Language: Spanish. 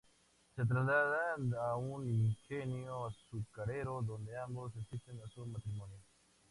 Se trasladan a un Ingenio azucarero donde ambos asisten a su matrimonio.